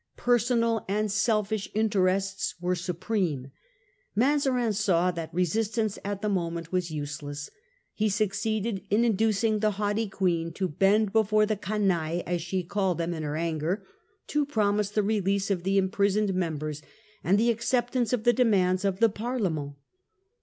Personal and selfish in terests were supreme. Mazarin saw that resistance at the moment was useless. He succeeded in inducing the haughty Queen to bend before the 'canaille/ as she called them in her anger, to promise the release of the imprisoned members and the acceptance of the Chamber of demands of the Parlement.